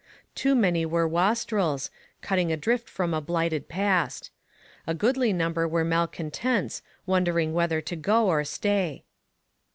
Too many were wastrels, cutting adrift from a blighted past. A goodly number were malcontents, wondering whether to go or stay.